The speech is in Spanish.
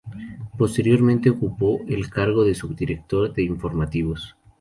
Posteriormente ocupó el cargo de subdirector de informativos.